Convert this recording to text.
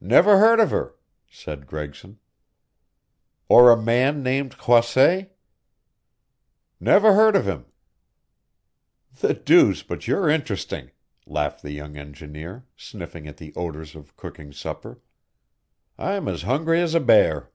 "Never heard of her," said Gregson. "Or a man named Croisset?" "Never heard of him." "The deuce, but you're interesting," laughed the young engineer, sniffing at the odors of cooking supper. "I'm as hungry as a bear!"